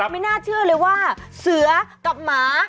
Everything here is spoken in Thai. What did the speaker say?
ไม่น่าเชื่อเลยว่าเสือกับหมา